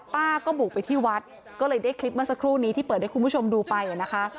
ป้าก็บุกไปที่วัดก็เลยได้คลิปเมื่อสักครู่นี้ที่เปิดให้คุณผู้ชมดูไปนะคะ